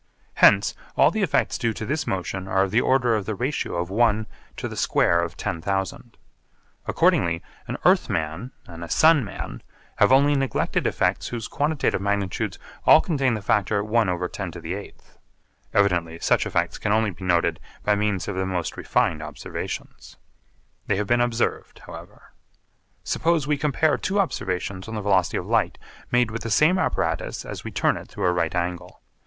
Hence all the effects due to this motion are of the order of the ratio of one to the square of 10,000. Accordingly an earth man and a sun man have only neglected effects whose quantitative magnitudes all contain the factor 1/10⁸. Evidently such effects can only be noted by means of the most refined observations. They have been observed however. Suppose we compare two observations on the velocity of light made with the same apparatus as we turn it through a right angle.